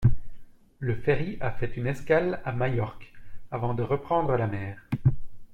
Le ferry a fait une escale à Majorque avant de reprendre la mer.